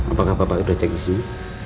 apakah bapak sudah cek di sini